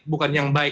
bukan yang baik